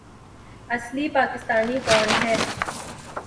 اصلی پاکستانی کون ہے